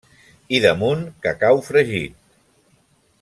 I damunt, cacau fregit.